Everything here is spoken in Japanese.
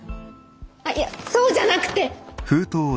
あっいやそうじゃなくて！